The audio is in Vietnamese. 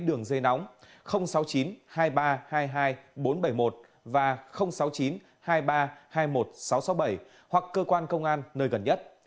đường dây nóng sáu mươi chín hai nghìn ba trăm hai mươi hai bốn trăm bảy mươi một và sáu mươi chín hai mươi ba hai mươi một sáu trăm sáu mươi bảy hoặc cơ quan công an nơi gần nhất